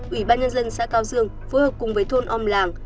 ủy ban nhân dân xã cao dương phối hợp cùng với thôn om làng